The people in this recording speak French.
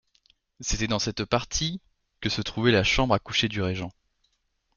C'était dans cette partie que se trouvait la chambre à coucher du régent.